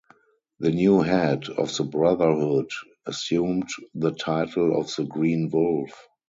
The new head of the brotherhood assumed the title of the Green Wolf.